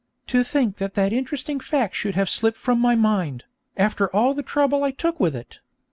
To think that that interesting fact should have slipped from my mind, after all the trouble I took with it!